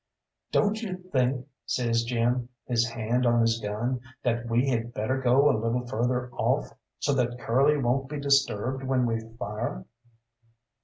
"Don't you think," says Jim, his hand on his gun, "that we had better go a little further off so that Curly won't be disturbed when we fire?"